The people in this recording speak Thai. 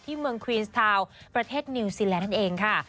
เมืองควีนสทาวน์ประเทศนิวซีแลนด์นั่นเองค่ะ